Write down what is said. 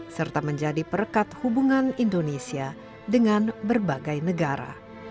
serta menjadi perekat hubungan indonesia dengan berbagai negara